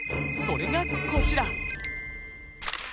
それがこちら。